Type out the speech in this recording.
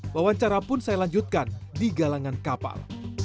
wawancara pun saya lanjutkan di galangan kapal